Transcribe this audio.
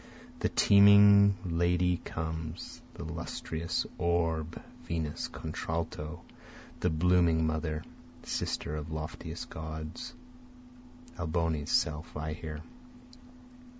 (The teeming lady comes, The lustrious orb, Venus contralto, the blooming mother, Sister of loftiest gods, Alboni's self I hear.)